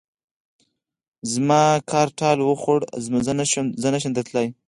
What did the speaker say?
زما کار ټال وخوړ؛ زه نه شم درتلای.